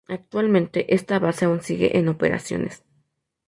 Actualmente esta base aún sigue en operaciones.